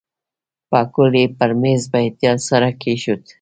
پکول یې پر میز په احتیاط سره کېښود.